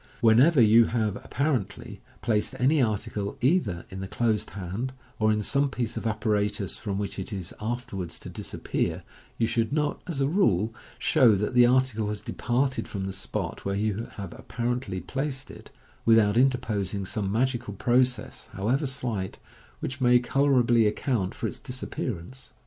Whenever you have (apparently) placed any article either in the closed hand, or in some piece of apparatus from which it is afterwards to disappear, you should not, as a rule, show that the article has departed from the spot where you have apparently placed it, without interposing some magical process, however slight, which may colourably account for its disappearance.